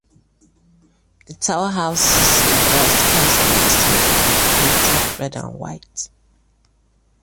The tower houses a broadcast mast on the roof, painted red and white.